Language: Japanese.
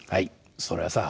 それはさ